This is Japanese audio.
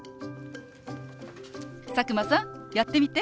佐久間さんやってみて。